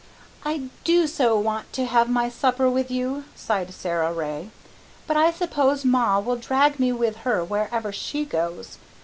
"I do so want to have my supper with you," sighed Sara Ray, "but I s'pose ma will drag me with her wherever she goes.